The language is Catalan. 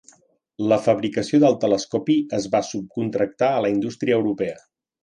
La fabricació del telescopi es va subcontractar a la indústria europea.